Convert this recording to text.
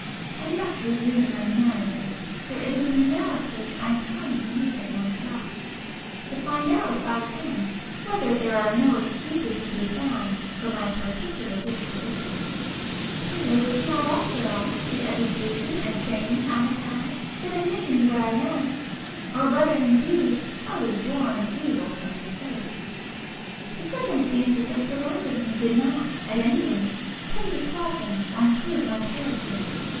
I must resume my narrative,—for it is an analysis I am trying to make of myself, to find out if I can whether there are no excuses to be found for my particular disposition,—whether it is not after all, the education and training I have had that have made me what I am, or whether indeed I was born evil from the first. The circumstances that surrounded me, did not, at any rate, tend to soften or improve my character.